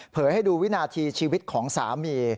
ให้ดูวินาทีชีวิตของสามี